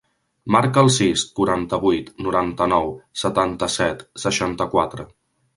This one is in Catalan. Marca el sis, quaranta-vuit, noranta-nou, setanta-set, seixanta-quatre.